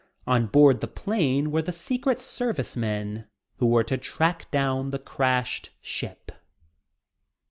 On board the plane were the Secret Service men who were to track down the crashed ship.